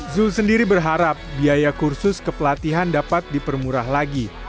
zul sendiri berharap biaya kursus kepelatihan dapat dipermurah lagi